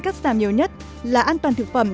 cắt giảm nhiều nhất là an toàn thực phẩm